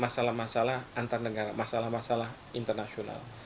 masalah masalah antar negara masalah masalah internasional